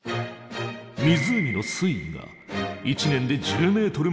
湖の水位が１年で１０ｍも上昇。